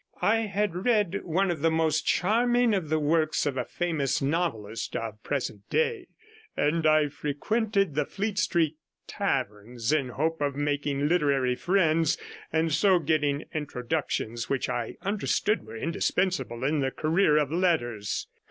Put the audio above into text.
I had read one of the most charming of the works of a famous novelist of present day, and I frequented the Fleet Street taverns the hope of making literary friends, and so getting introductions which I understood were indispensable in the career of letters.